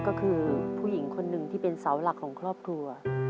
ก็คือผู้หญิงคนหนึ่งที่เป็นเสาหลักของครอบครัว